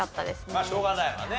まあしょうがないわね。